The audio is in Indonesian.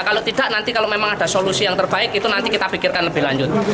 kalau tidak nanti kalau memang ada solusi yang terbaik itu nanti kita pikirkan lebih lanjut